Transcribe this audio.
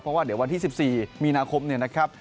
เพราะว่าเดี๋ยววันที่๑๔มีนาคมเนี่ยนะครับ